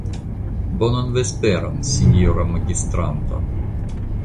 Bonan vesperon, sinjoro magistranto.